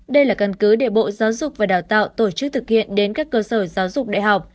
đây là căn cứ để bộ giáo dục và đào tạo tổ chức thực hiện đến các cơ sở giáo dục đại học